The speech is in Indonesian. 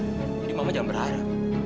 jadi mama jangan berharap